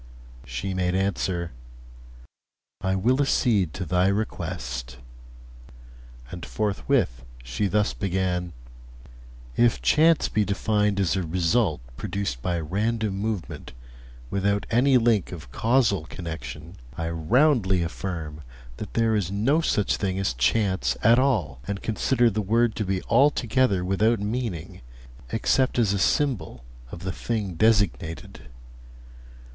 She made answer: 'I will accede to thy request;' and forthwith she thus began: 'If chance be defined as a result produced by random movement without any link of causal connection, I roundly affirm that there is no such thing as chance at all, and consider the word to be altogether without meaning, except as a symbol of the thing designated.